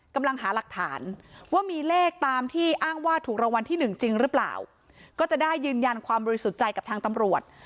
กำลังหาหลักฐานว่ามีเลขตามที่อ้างว่าถูกรางวัลที่หนึ่งจริงหรือเปล่าก็จะได้ยืนยันความบริสุทธิ์ใจกับทางตำรวจ